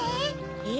え？